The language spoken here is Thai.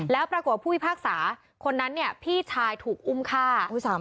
แล้วปรากฏผู้พิพากษาคนนั้นเนี่ยพี่ชายถูกอุ้มฆ่า